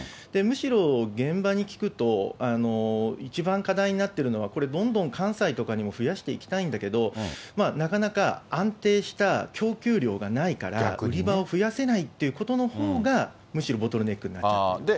むしろ現場に聞くと、一番課題になってるのは、これ、どんどん関西とかにも増やしていきたいんだけど、なかなか安定した供給量がないから、売り場を増やせないということのほうが、むしろボトルネックになっちゃってる。